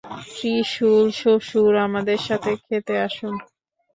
ত্রিশূল, শ্বশুর, আমাদের সাথে খেতে আসুন।